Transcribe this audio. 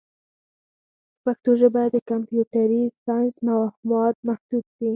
په پښتو ژبه د کمپیوټري ساینس مواد محدود دي.